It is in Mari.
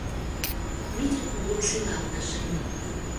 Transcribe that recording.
Митя кугун шӱлалтыш.